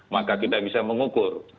maka kita bisa mengukur